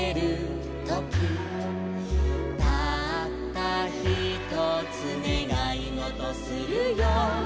「たったひとつねがいごとするよ」